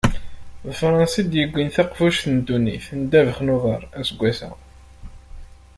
D Fransa i yewwin taqbuct n ddunit n ddabex n uḍar aseggas-a.